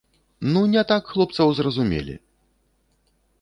Ну не так хлопцаў зразумелі!